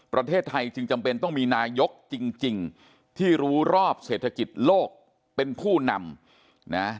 ประเทศไทยจึงจำเป็นต้องมีนายกจริงที่รู้รอบเศรษฐกิจโลกเป็นผู้นำนะ